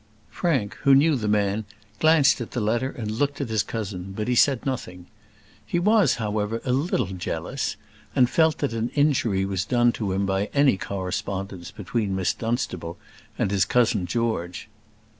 Frank, who knew the man, glanced at the letter and looked at his cousin; but he said nothing. He was, however, a little jealous, and felt that an injury was done to him by any correspondence between Miss Dunstable and his cousin George.